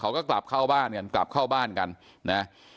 เขาก็กลับเข้าบ้านกันกลับเข้าบ้านกันนะ